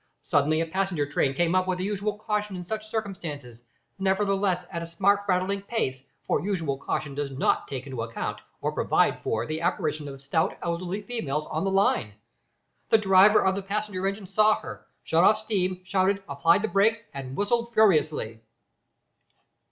Suddenly a passenger train came up with the usual caution in such circumstances, nevertheless at a smart rattling pace, for "usual caution" does not take into account or provide for the apparition of stout elderly females on the line. The driver of the passenger engine saw her, shut off steam, shouted, applied the brakes and whistled furiously.